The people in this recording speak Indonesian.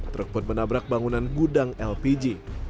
truk pun menabrak bangunan gudang lpg